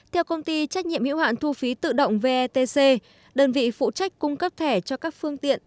theo công ty trách nhiệm hiệu hạn thu phí tự động vetc đơn vị phụ trách cung cấp thẻ cho các phương tiện